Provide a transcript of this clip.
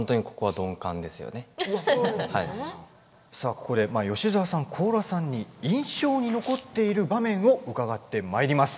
ここで吉沢さん、高良さんに印象に残っている場面を伺ってまいります。